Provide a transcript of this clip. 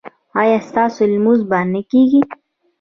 ایا ستاسو لمونځ به نه کیږي؟